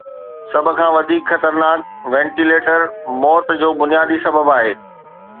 سڀ کان وڌيڪ خطرناڪ وينٽيليٽر موت جو بنيادي سبب آهي.